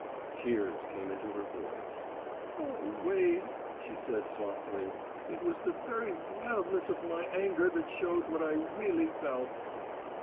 Tears came into her voice. "Oh, Wade," she said, softly, "it was the very wildness of my anger that showed what I really felt."